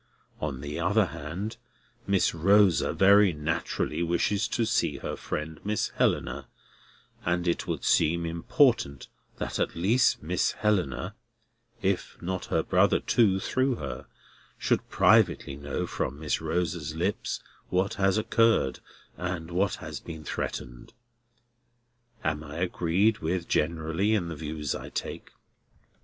On the other hand, Miss Rosa very naturally wishes to see her friend Miss Helena, and it would seem important that at least Miss Helena (if not her brother too, through her) should privately know from Miss Rosa's lips what has occurred, and what has been threatened. Am I agreed with generally in the views I take?"